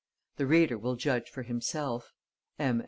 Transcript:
The reader will judge for himself. M.